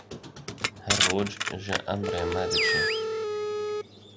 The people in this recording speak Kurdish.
Her roj ji emirê me diçe.